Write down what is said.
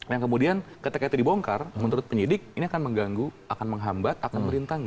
yang kemudian ketika itu dibongkar menurut penyidik ini akan mengganggu akan menghambat akan merintangi